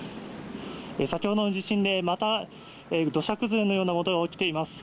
先ほどの地震でまた土砂崩れのような音が起きています。